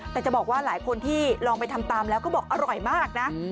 แต่จะบอกว่าหลายคนที่ลองไปทำตามแล้วก็บอกอร่อยมากนะ